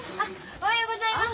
おはようございます。